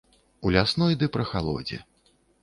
У лясной ды прахалодзе.